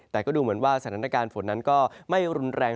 แต่ก็ดูเหมือนว่าสถานการณ์ฝนนั้นก็ไม่รุนแรง